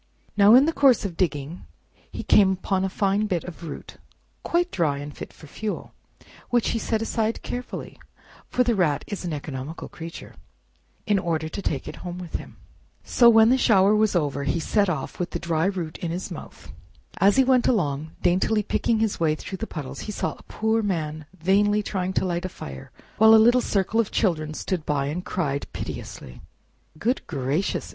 Now in the course of digging, he came upon a fine bit of root, quite dry and fit for fuel, which he set aside carefully—for the Rat is an economical creature—in order to take it home with him. So when the shower was over, he set off with the dry root in his mouth. As he went along, daintily picking his way through the puddles, he Saw a Poor Man vainly trying to light a fire, while a little circle of children stood by, and cried piteously. "Goodness gracious!"